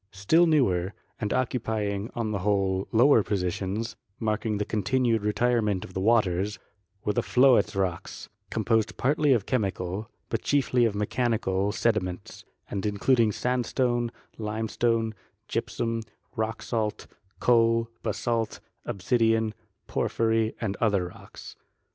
Still newer, and occupying, on the whole, lower positions, marking the continued retirement of the waters, were the Floetz Rocks, composed partly of chemical, but chiefly of mechanical sediments, and including sandstone, limestone, gypsttm, rock salt, coal, basalt, obsidian, porphyry and WERNER AND HUTTON 55 other rocks.